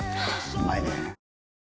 うまいねぇ。